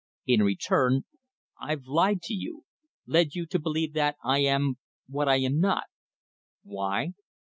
In return I've lied to you, led you to believe that I am what I am not. Why?